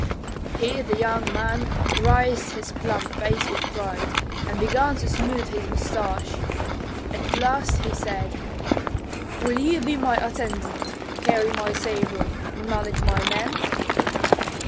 Here the young man raised his plump face with pride, and began to smooth his mustaches; at last he said, "Will you be my attendant, carry my sabre, and manage my men?"